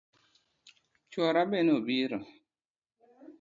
Chuora be nobiro